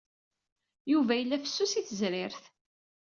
Yuba yella fessus i tezrirt.